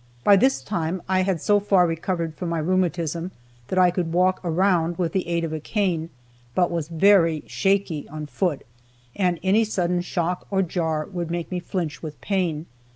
By this time I had so far recovered from my rheumatism that I could walk around with the aid of a cane, but was very "shaky" on foot, and any sudden shock or jar would make me flinch with pain.